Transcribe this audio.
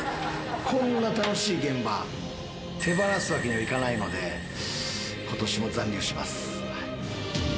こんな楽しい現場、手放すわけにはいかないので、ことしも残留します。